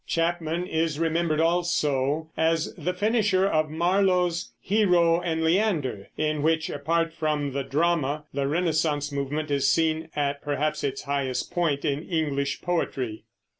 Chapman is remembered also as the finisher of Marlowe's Hero and Leander, in which, apart from the drama, the Renaissance movement is seen at perhaps its highest point in English poetry.